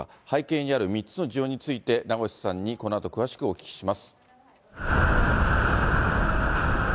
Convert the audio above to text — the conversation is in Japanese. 背景にある３つの事情について、名越さんにこのあと詳しくお聞きします。